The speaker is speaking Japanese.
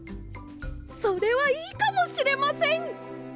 それはいいかもしれません！